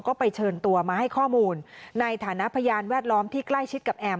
ก็ไปเชิญตัวมาให้ข้อมูลในฐานะพยานแวดล้อมที่ใกล้ชิดกับแอม